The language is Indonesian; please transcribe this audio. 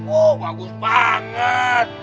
oh bagus banget